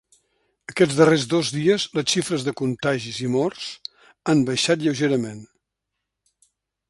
Aquests darrers dos dies les xifres de contagis i morts han baixat lleugerament.